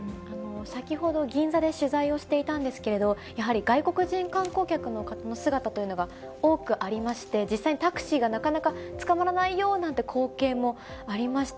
先ほど、銀座で取材をしていたんですけれど、やはり外国人観光客の方の姿というのが多くありまして、実際にタクシーがなかなかつかまらないよなんて光景もありました。